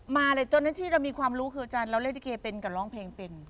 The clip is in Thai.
มาเลยตอนนั้นที่เรามีความรู้คือเราเรดิเกย์เป็นกับร้องเพลงเป็น